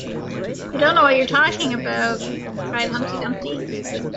‘You don’t know what you’re talking about!’ cried Humpty Dumpty.